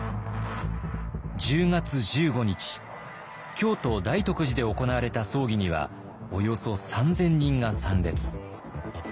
京都・大徳寺で行われた葬儀にはおよそ３，０００人が参列。